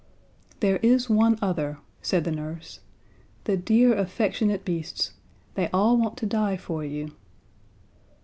"There is one other," said the nurse. "The dear, affectionate beasts they all want to die for you."